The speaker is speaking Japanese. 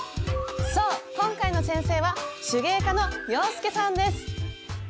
そう今回の先生は手芸家の洋輔さんです！